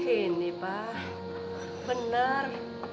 ini pak benar